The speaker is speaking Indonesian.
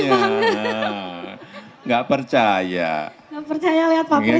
ketiga percauan perkembangan wanita ini